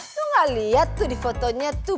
gua gak liat tuh di fotonya tuh